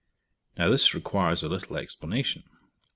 Now this requires a little explanation.